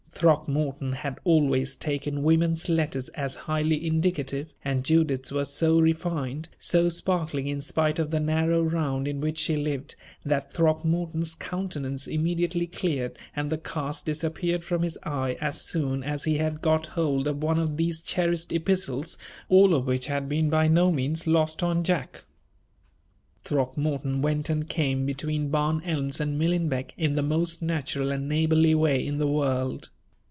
Throckmorton had always taken women's letters as highly indicative, and Judith's were so refined, so sparkling in spite of the narrow round in which she lived, that Throckmorton's countenance immediately cleared and the cast disappeared from his eye as soon as he had got hold of one of these cherished epistles, all of which had been by no means lost on Jack. Throckmorton went and came between Barn Elms and Millenbeck in the most natural and neighborly way in the world.